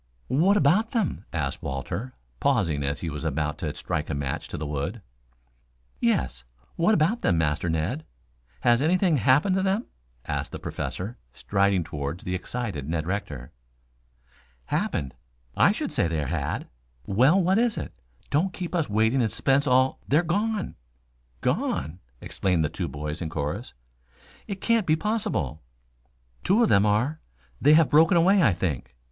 "What about them?" asked Walter, pausing as he was about to strike a match to the wood. "Yes, what of them, Master Ned? Has anything happened to them?" asked the Professor, striding toward the excited Ned Rector. "Happened? I should say there had " "Well, what is it? Don't keep us waiting in suspense all " "They're gone!" "Gone?" exclaimed the two boys in chorus. "It can't be possible." "Two of them are. They have broken away, I think.